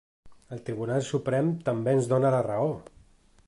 El Tribunal Suprem també ens dóna la raó!